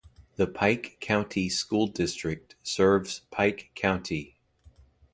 The Pike County School District serves Pike County.